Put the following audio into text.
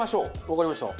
わかりました。